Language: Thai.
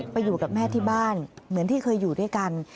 ไปอยู่กับแม่ที่บ้านเหมือนที่เคยอยู่ด้วยกัน